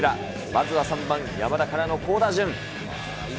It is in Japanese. まずは３番山田からの好打順。